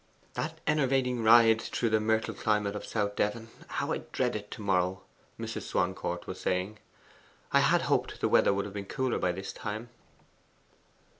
'That enervating ride through the myrtle climate of South Devon how I dread it to morrow!' Mrs. Swancourt was saying. 'I had hoped the weather would have been cooler by this time.